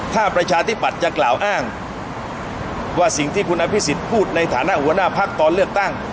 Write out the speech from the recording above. ถ้าประชาธิปัตย์จะกล่าวอ้างว่าสิ่งที่คุณอภิษฎพูดในฐานะหัวหน้าพักตอนเลือกตั้ง